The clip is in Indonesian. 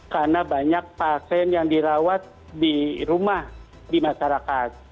karena banyak pasien yang dirawat di rumah di masyarakat